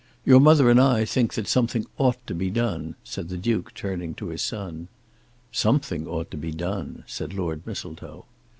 "Your mother and I think, that something ought to be done," said the Duke turning to his son. "Something ought to be done," said Lord Mistletoe.